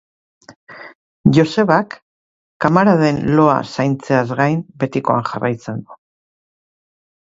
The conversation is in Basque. Josebak, kamaraden loa zaintzeaz gain, betikoan jarraitzen du.